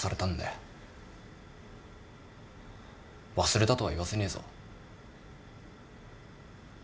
忘れたとは言わせねえぞ。